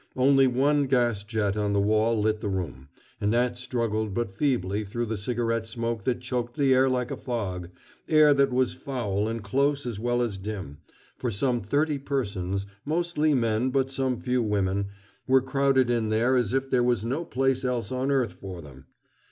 Only one gas jet on the wall lit the room, and that struggled but feebly through the cigarette smoke that choked the air like a fog air that was foul and close as well as dim, for some thirty persons, mostly men but some few women, were crowded in there as if there was no place else on earth for them.